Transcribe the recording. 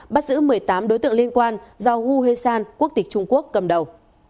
bắt giữ một mươi tám đối tượng liên quan do huê san quốc tịch trung quốc cầm đầu